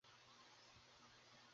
এটা অবশ্যই এতটা সহজ ছিল না।